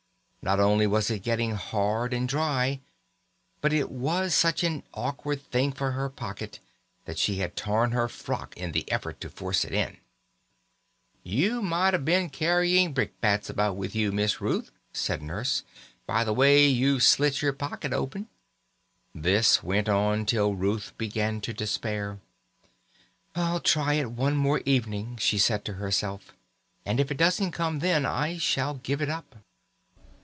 Not only was it getting hard and dry, but it was such an awkward thing for her pocket that she had torn her frock in the effort to force it in. "You might a' been carrying brick bats about with you, Miss Ruth," said Nurse, "by the way you've slit your pocket open." This went on till Ruth began to despair. "I'll try it one more evening," she said to herself, "and if it doesn't come then I shall give it up."